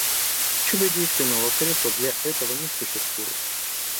Чудодейственного средства для этого не существует.